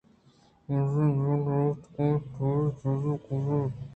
برز ءُجہل ءَ رواَنت ءُکاینت برے چیزے کار اِنت